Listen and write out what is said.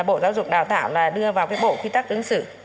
bộ giáo dục đào tạo là đưa vào cái bộ quy tắc ứng xử